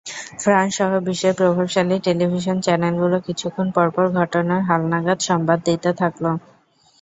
ফ্রান্সসহ বিশ্বের প্রভাবশালী টেলিভিশন চ্যানেলগুলো কিছুক্ষণ পরপর ঘটনার হালনাগাদ সংবাদ দিতে থাকল।